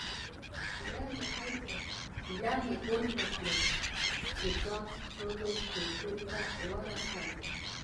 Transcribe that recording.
ایله مې هوډ وکړ چې ځان خپلو کوټې ته ورسوم.